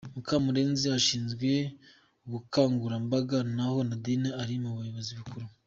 Mukamurenzi ashinzwe ubukangurambaga, naho Nadine ari mu buyobozi bukuru !